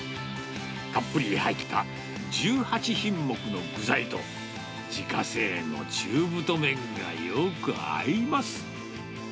たっぷり入った１８品目の具材と、自家製の中太麺がよく合います。